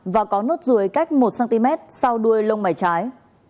và có nốt ruồi cách một cm sau đuôi lông mảy trái